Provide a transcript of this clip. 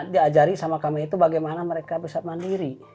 diajari sama kami itu bagaimana mereka bisa mandiri